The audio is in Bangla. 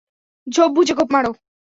ঝোপ বুঝে কোপ মার।